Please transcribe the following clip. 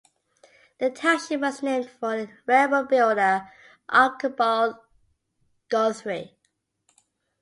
The township was named for railroad builder Archibald Guthrie.